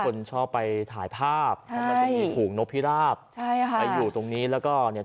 คนชอบไปถ่ายภาพใช่มันจะมีฝูงนกพิราบใช่ค่ะไปอยู่ตรงนี้แล้วก็เนี่ย